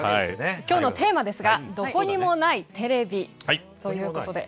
今日のテーマですが「どこにもないテレビ」ということで。